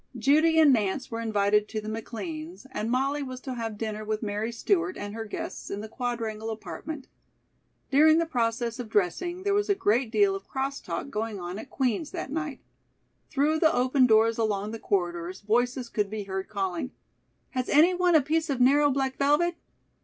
Judy and Nance were invited to the McLeans', and Molly was to have dinner with Mary Stewart and her guests in the Quadrangle apartment. During the process of dressing there was a great deal of "cross talk" going on at Queen's that night. Through the open doors along the corridors voices could be heard calling: "Has anyone a piece of narrow black velvet?"